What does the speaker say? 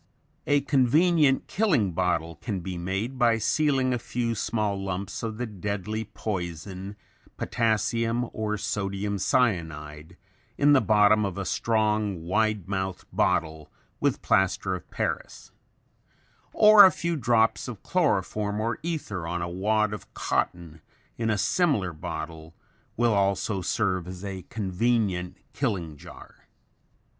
A convenient killing bottle can be made by sealing a few small lumps of the deadly poison, potassium or sodium cyanide, in the bottom of a strong, wide mouthed bottle, with plaster of Paris; or a few drops of chloroform or ether on a wad of cotton in a similar bottle, will also serve as a convenient killing jar.